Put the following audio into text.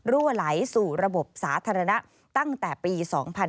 รั่วไหลสู่ระบบสาธารณะตั้งแต่ปี๒๕๕๙